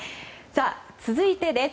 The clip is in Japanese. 続いてです。